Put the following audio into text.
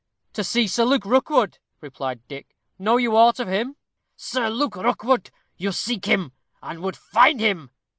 "To seek Sir Luke Rookwood," replied Dick. "Know you aught of him?" "Sir Luke Rookwood! You seek him, and would find him?"